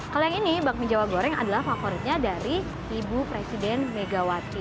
kalau yang ini bakmi jawa goreng adalah favoritnya dari ibu presiden megawati